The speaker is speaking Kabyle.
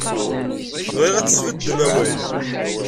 Bɣiɣ ad tesbeddem awal.